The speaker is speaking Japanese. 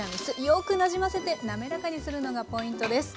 よくなじませて滑らかにするのがポイントです。